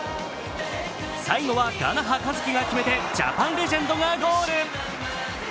最後は我那覇和樹が決めてジャパン・レジェンドがゴール。